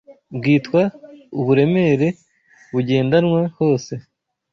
bwitwa uburemere bugendanwa hose